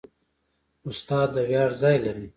استاد د ویاړ ځای لري.